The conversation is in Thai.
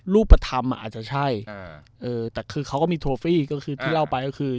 รูปธรรมอ่ะอาจจะใช่แต่คือเขาก็มีโทฟี่ก็คือที่เล่าไปก็คือ